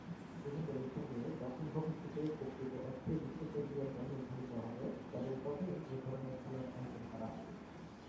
তিনি বলেছেন যে, যখন ভবিষ্যতে প্রকৃত অর্থেই বিশ্ব চ্যাম্পিয়ন দল নির্ধারিত হবে, কেবল তখনই এ ধরনের খেলা আয়োজন করা হবে।